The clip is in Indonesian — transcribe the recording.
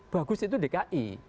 bagus itu dki